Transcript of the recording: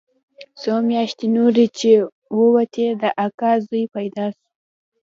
څو مياشتې نورې چې ووتې د اکا زوى پيدا سو.